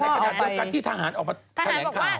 แต่ในขณะที่ทหารออกมาแถลงข่าว